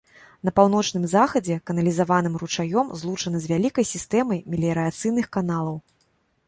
На паўночным захадзе каналізаваным ручаём злучана з вялікай сістэмай меліярацыйных каналаў.